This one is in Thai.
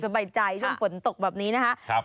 สบายใจช่วงฝนตกแบบนี้นะครับ